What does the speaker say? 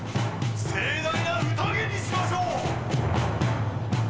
「盛大な宴にしましょう！」